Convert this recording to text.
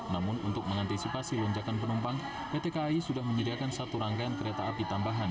namun untuk mengantisipasi lonjakan penumpang pt kai sudah menyediakan satu rangkaian kereta api tambahan